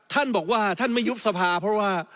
ท่านบอกว่าท่านไม่ยุบสภาเพราะว่า